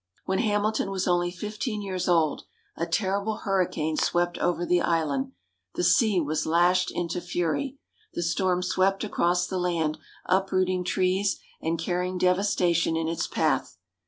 When Hamilton was only fifteen years old, a terrible hurricane swept over the island. The sea was lashed into fury. The storm swept across the land, uprooting trees, and carrying devastation in its path.